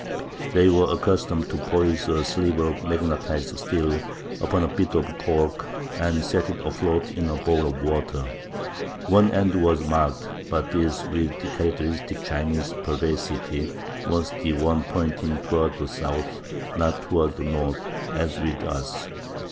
They were accustomed to poise a sliver of magnetized steel upon a bit of cork and set it afloat in a bowl of water. One end was marked, but this, with characteristic Chinese perversity, was the one pointing toward the south, not toward the north, as with us.